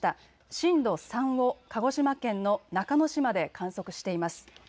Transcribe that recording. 震度３を鹿児島県の中之島で観測しています。